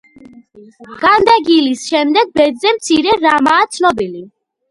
განდეგილის შემდეგ ბედზე მცირე რამაა ცნობილი.